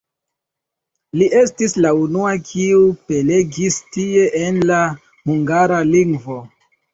Li estis la unua, kiu prelegis tie en la hungara lingvo.